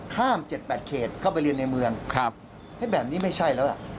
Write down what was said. ข้ามเจ็ดแปดเขตเข้าไปเรียนในเมืองครับให้แบบนี้ไม่ใช่แล้วอ่ะ